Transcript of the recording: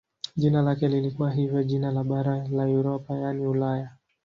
Jina lake lilikuwa hivyo jina la bara la Europa yaani Ulaya.